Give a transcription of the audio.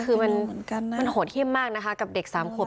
คือมันโหดเที่ยบมากกับเด็กสามครบ